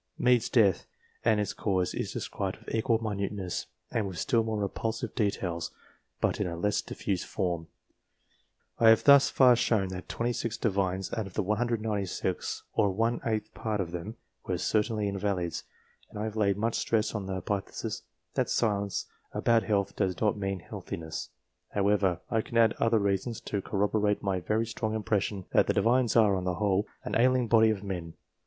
Mede's death, and its cause, is described with equal minuteness, and with still more repulsive details, but in a less diffused form. I have thus far shown that 26 Divines out of the 196, or one eighth part of them, were certainly invalids, and I have laid much stress on the hypothesis that silence about health does not mean healthiness; however, I can add other reasons to corroborate my very strong impression that the Divines are, on the whole, an ailing body of men.